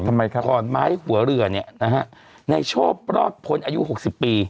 ทำไมครับขอนไม้หัวเรือเนี่ยนะฮะในโชครอดพ้นอายุหกสิบปี